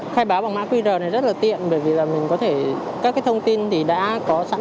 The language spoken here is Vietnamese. khai báo bằng mã qr này rất là tiện bởi vì là mình có thể các thông tin thì đã có sẵn